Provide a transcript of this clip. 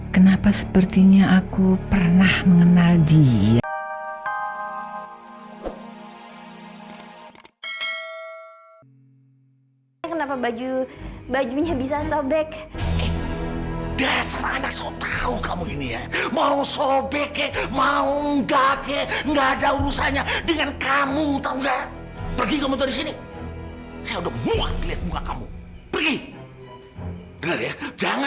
kenapa sepertinya aku pernah mengenal dia